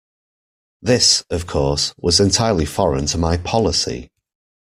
This, of course, was entirely foreign to my policy.